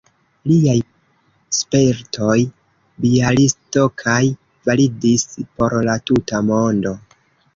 liaj spertoj Bjalistokaj validis por la tuta mondo.